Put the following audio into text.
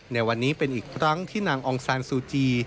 ในวันนี้เป็นอีกครั้งที่นางองซานซูจี